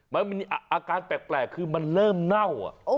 มันมีอาการแปลกคือมันเริ่มเน่า